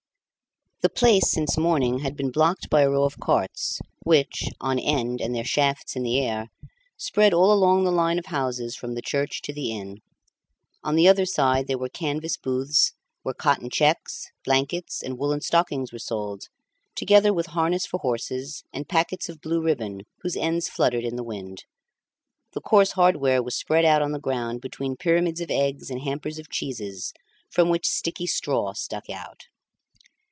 The Place since morning had been blocked by a row of carts, which, on end and their shafts in the air, spread all along the line of houses from the church to the inn. On the other side there were canvas booths, where cotton checks, blankets, and woollen stockings were sold, together with harness for horses, and packets of blue ribbon, whose ends fluttered in the wind. The coarse hardware was spread out on the ground between pyramids of eggs and hampers of cheeses, from which sticky straw stuck out.